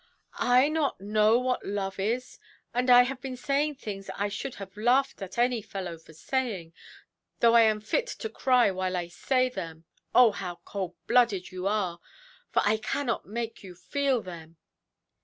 "I not know what love is! And I have been saying things I should have laughed at any fellow for saying, though I am fit to cry while I say them. Oh, how cold–blooded you are; for I cannot make you feel them"!